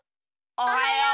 おはよう！